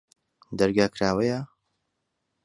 دەرگا کراوەیە؟